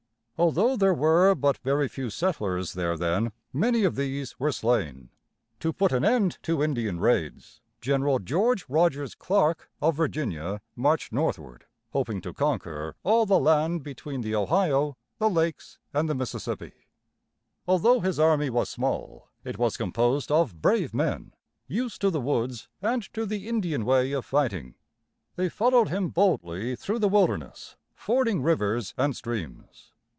Although there were but very few settlers there then, many of these were slain. To put an end to Indian raids, General George Rogers Clark of Virginia marched northward, hoping to conquer all the land between the Ohio, the Lakes, and the Mississippi. [Illustration: Clark's March.] Although his army was small, it was composed of brave men, used to the woods and to the Indian way of fighting. They followed him boldly through the wilderness, fording rivers and streams.